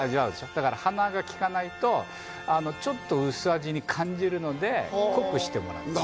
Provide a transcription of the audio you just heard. だから鼻が利かないとちょっと薄味に感じるので濃くしてもらった。